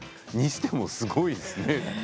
にしても、すごいですね。